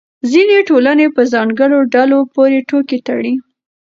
ځینې ټولنې په ځانګړو ډلو پورې ټوکې تړي.